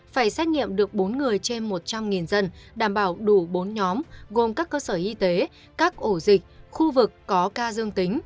phải xét nghiệm được bốn người trên một trăm linh dân đảm bảo đủ bốn nhóm gồm các cơ sở y tế các ổ dịch khu vực có ca dương tính